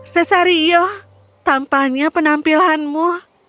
cesario tampaknya penampilanmu